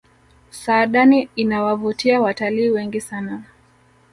saadani inawavutia watalii wengi sana